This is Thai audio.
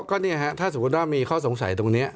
ก็เนี่ยฮะถ้าสมมุติว่ามีข้อสงสัยตรงนี้